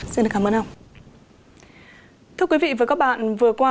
xin cảm ơn ông